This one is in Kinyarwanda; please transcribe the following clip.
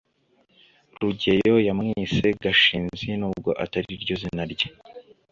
rugeyo yamwise gashinzi nubwo atariryo zina rye